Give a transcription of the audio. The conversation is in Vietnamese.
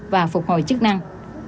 và phục hồi chức năng